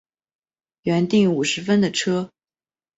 原订五十分的车